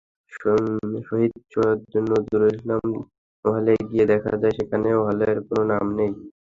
শহীদ সৈয়দ নজরুল ইসলাম হলে গিয়ে দেখা যায়, সেখানেও হলের কোনো নাম নেই।